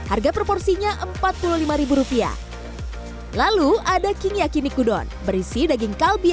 adalah lima puluh person untuk tujuh atau delapan bangunan energi yang baik baik